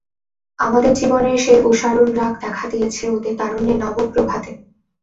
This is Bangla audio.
আমাদের জীবনের সেই উষারুণরাগ দেখা দিয়েছে ওদের তারুণ্যের নবপ্রভাতে।